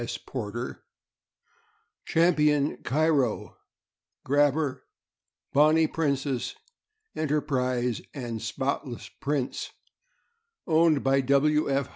S. Porter; Champion Cairo, Grab ber, Bonnie Princess, Enterprise, and Spotless Prince, owned by W.